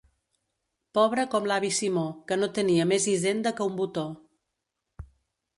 Pobre com l'avi Simó, que no tenia més hisenda que un botó.